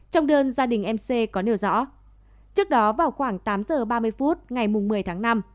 trong đơn gia đình mc có nêu rõ trước đó vào khoảng tám giờ ba mươi phút ngày một mươi tháng năm